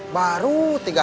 baru tiga hari